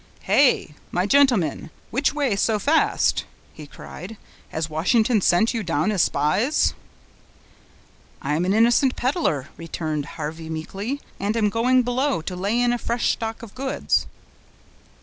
"Hey! my gentlemen, which way so fast?" he cried, "Has Washington sent you down as spies?" "I am an innocent peddler," returned Harvey meekly, "and am going below, to lay in a fresh stock of goods."